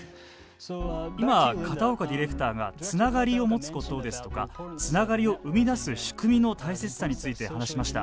今、片岡ディレクターがつながりを持つことですとかつながりを生み出す仕組みの大切さについて話しました。